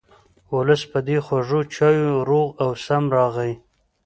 ولس په دې خوږو چایو روغ او سم راغی.